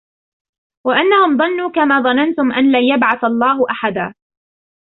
وأنهم ظنوا كما ظننتم أن لن يبعث الله أحدا